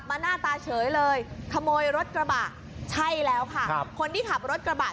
อันดับสุดท้ายก็คืออันดับสุดท้าย